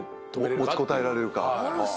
持ちこたえられるか。